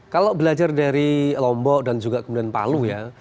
kalau belajar dari lombok dan juga kemudian palu ya